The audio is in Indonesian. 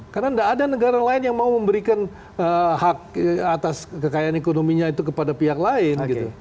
karena nggak ada negara lain yang mau memberikan hak atas kekayaan ekonominya itu kepada pihak lain gitu